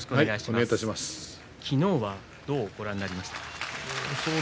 昨日はどうご覧になりましたか。